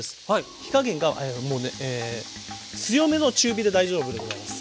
火加減がもうね強めの中火で大丈夫でございます。